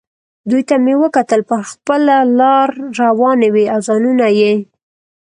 دوی ته مې کتل، پر خپله لار روانې وې او ځانونه یې.